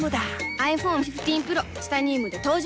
ｉＰｈｏｎｅ１５Ｐｒｏ チタニウムで登場